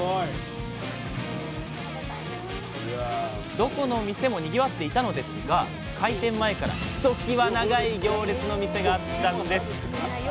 どこの店もにぎわっていたのですが開店前からひときわ長い行列の店があったんです。